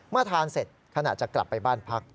ทานเสร็จขณะจะกลับไปบ้านพัก